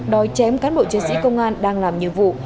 đói chém cán bộ chiến sĩ công an đang làm nhiệm vụ